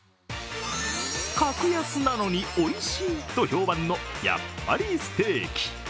格安なのにおいしいと評判のやっぱりステーキ。